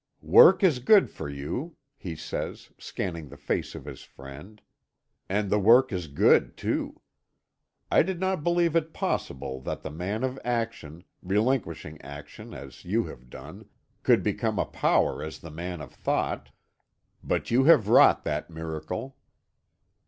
"Work is good for you," he says, scanning the face of his friend; "and the work is good, too. I did not believe it possible that the man of action, relinquishing action as you have done, could become a power as the man of thought. But you have wrought that miracle."